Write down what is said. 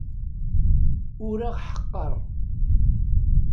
Ur aɣ-ḥeqqer.